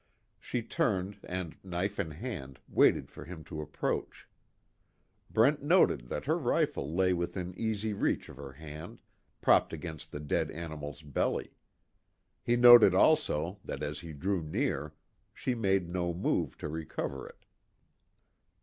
She turned and knife in hand, waited for him to approach. Brent noted that her rifle lay within easy reach of her hand, propped against the dead animal's belly. He noted also, that as he drew near, she made no move to recover it.